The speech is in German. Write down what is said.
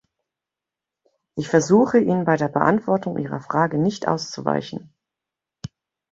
Ich versuche, Ihnen bei der Beantwortung Ihrer Frage nicht auszuweichen.